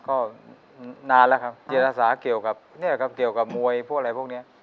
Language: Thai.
ก็นานแล้วครับจิตอาสาเกี่ยวกับมวยพวกอะไรพวกเนี่ย